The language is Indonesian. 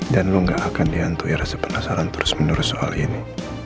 dan lo gak akan dihantui rasa penasaran terus menurut soal ini